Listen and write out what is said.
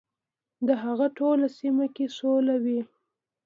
د هغه ټوله سیمه کې سوله وي .